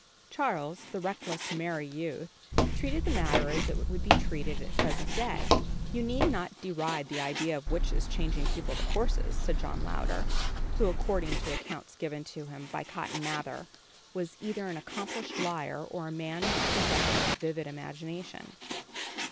Charles, the reckless, merry youth, treated the matter as it would be treated at the present day. "You need not deride the idea of witches changing people to horses," said John Louder, who, according to accounts given of him, by Cotton Mather, was either an accomplished liar or a man possessing a vivid imagination.